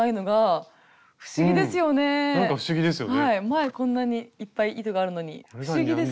前こんなにいっぱい糸があるのに不思議ですね。